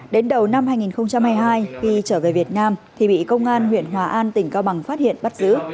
đến đầu năm hai nghìn hai mươi hai khi trở về việt nam thì bị công an huyện hòa an tỉnh cao bằng phát hiện bắt giữ